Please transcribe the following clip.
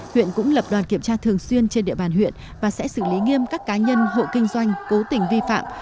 huyện cũng lập đoàn kiểm tra thường xuyên trên địa bàn huyện và sẽ xử lý nghiêm các cá nhân hộ kinh doanh cố tình vi phạm